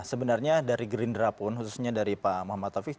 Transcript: sebenarnya dari gerindra pun khususnya dari pak muhammad taufik